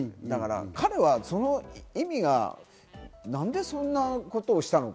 彼はその意味が、なんでそんなことをしたのか。